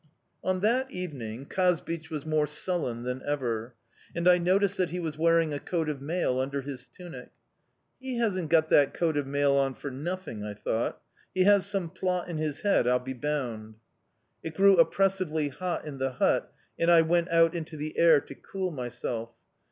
"On that evening Kazbich was more sullen than ever, and I noticed that he was wearing a coat of mail under his tunic. 'He hasn't got that coat of mail on for nothing,' I thought. 'He has some plot in his head, I'll be bound!' "It grew oppressively hot in the hut, and I went out into the air to cool myself.